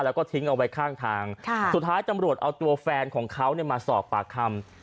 แล้วก็ทิ้งเอาไว้ข้างทางสุดท้ายตำรวจเอาตัวแฟนของเขามาสอบปากคำ